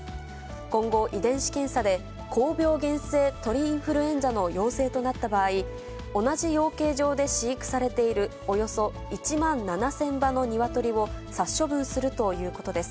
今後、遺伝子検査で、高病原性鳥インフルエンザの陽性となった場合、同じ養鶏場で飼育されているおよそ１万７０００羽のニワトリを殺処分するということです。